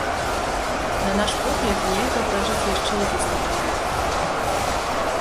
На наш погляд, нельга пражыць яшчэ і без інтэрнэта.